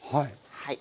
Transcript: はい。